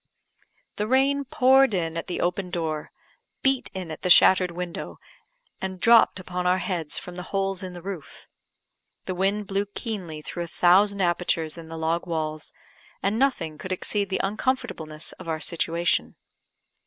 The rain poured in at the open door, beat in at the shattered window, and dropped upon our heads from the holes in the roof. The wind blew keenly through a thousand apertures in the log walls; and nothing could exceed the uncomfortableness of our situation.